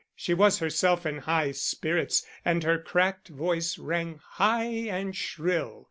She was herself in high spirits and her cracked voice rang high and shrill.